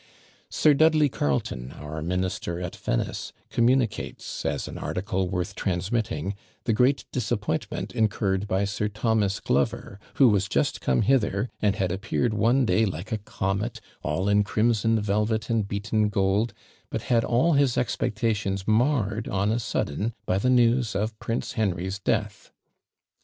Sir Dudley Carleton, our minister at Venice, communicates, as an article worth transmitting, the great disappointment incurred by Sir Thomas Glover, "who was just come hither, and had appeared one day like a comet, all in crimson velvet and beaten gold, but had all his expectations marred on a sudden by the news of Prince Henry's death."